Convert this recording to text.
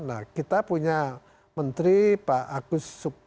nah kita punya menteri pak agus